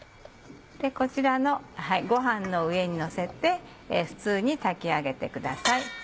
こちらのご飯の上にのせて普通に炊き上げてください。